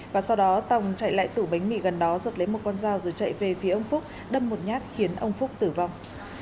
và sau đó tòng chạy lại tủ bánh mì gần đó giật lấy một con dao rồi chạy về phía ông phúc đâm một nhát khiến ông phúc tử vong